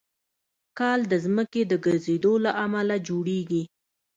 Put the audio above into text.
کال د ځمکې د ګرځېدو له امله جوړېږي.